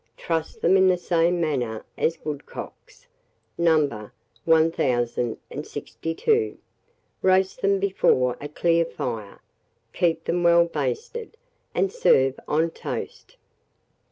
Truss them in the same manner as woodcocks, No. 1062; roast them before a clear fire, keep them well basted, and serve on toast.